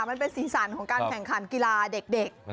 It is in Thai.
มันเป็นสีสันของการแข่งขันกีฬาเด็ก